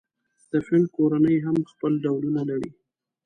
د فیل کورنۍ هم خپل ډولونه لري.